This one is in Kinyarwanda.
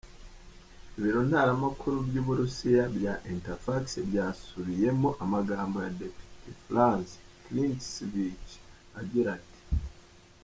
Ibiro ntaramakuru by'Uburusiya bya Interfax byasubiyemo amagambo ya Depite Franz Klintsevich agira ati:.